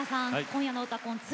今夜の「うたコン」